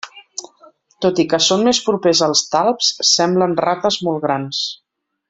Tot i que són més propers als talps, semblen rates molt grans.